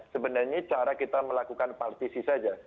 sebenarnya cara kita melakukan partisi saja